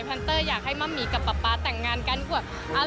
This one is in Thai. แนนเตอร์อยากให้มะหมี่กับป๊าป๊าแต่งงานกันกว่า